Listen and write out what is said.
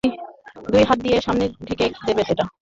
দুই হাত দিয়ে সামনে ঠেলে দেবে এটা।